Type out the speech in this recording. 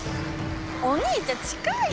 お兄ちゃん近い！